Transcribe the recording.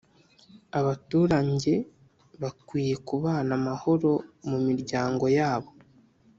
Abaturange bwakwiye kubana amahoro mu miryango yabo